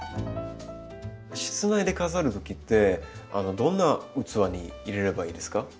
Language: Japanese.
室内で飾る時ってどんな器に入れればいいですか？